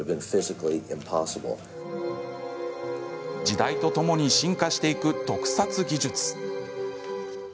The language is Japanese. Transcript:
時代とともに進化していく特撮技術。